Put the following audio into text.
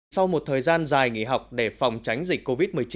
sau một thời gian dài nghỉ học để phòng tránh dịch covid một mươi chín